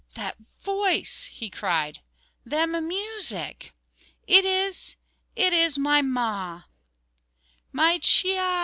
"That voice!" he cried, "them music! it is it is my ma."